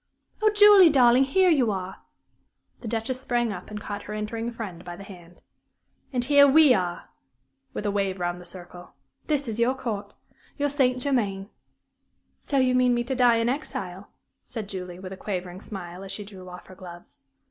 Oh, Julie, darling here you are!" The Duchess sprang up and caught her entering friend by the hand. "And here are we," with a wave round the circle. "This is your court your St. Germain." "So you mean me to die in exile," said Julie, with a quavering smile, as she drew off her gloves.